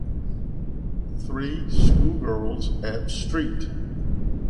Three schoolgirls at St.